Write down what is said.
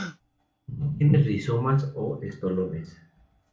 No tiene rizomas o estolones.